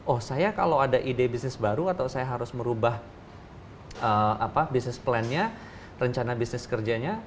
oh saya kalau ada ide bisnis baru atau saya harus merubah bisnis plannya rencana bisnis kerjanya